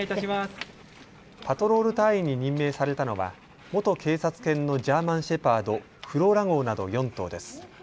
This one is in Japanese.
パトロール隊員に任命されたのは元警察犬のジャーマンシェパード、フローラ号など４頭です。